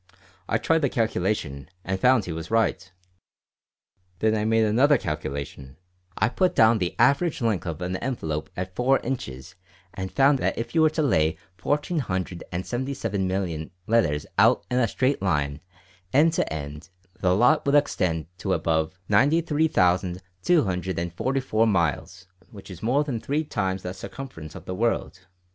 I tried the calculation, and found he was right. Then I made another calculation: "I put down the average length of an envelope at four inches, and I found that if you were to lay fourteen hundred and seventy seven million letters out in a straight line, end to end, the lot would extend to above 93,244 miles, which is more than three times the circumference of the world.